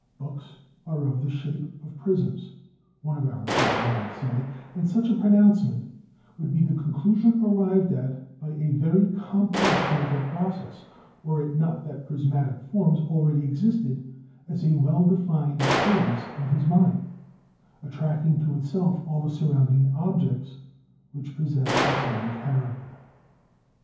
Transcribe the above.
Books are of the shape of prisms, one of our children might say; and such a pronouncement would be the conclusion arrived at by a very complex mental process, were it not that prismatic forms already existed as a well defined series in his mind, attracting to itself all the surrounding objects which possess the same character.